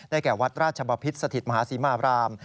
ใดแก่วัดราชบพิษศัตริญมหาซีมาราณ